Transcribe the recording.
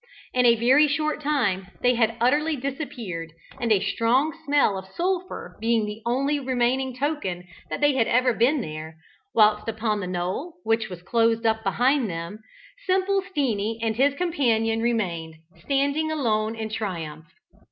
In a very short time they had utterly disappeared, a strong smell of sulphur being the only remaining token that they had ever been there, whilst upon the knoll, which had closed up behind them, "Simple Steenie" and his companion remained, standing alone in triumph.